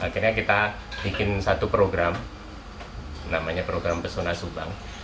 akhirnya kita bikin satu program namanya program pesona subang